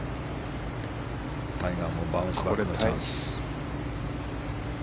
タイガーもバウンスバックのチャンス。